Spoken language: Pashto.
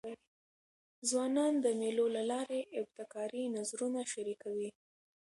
ځوانان د مېلو له لاري ابتکاري نظرونه شریکوي.